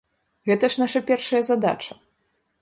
Гэта ж наша першая задача!